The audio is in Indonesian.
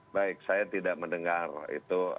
baik saya tidak mendengar itu